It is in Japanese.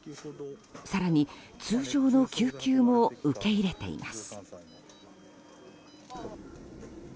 更に通常の救急も受け入れています。